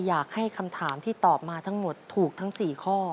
อยากให้คำถามที่ตอบมาทั้งหมดถูกทั้ง๔ข้อ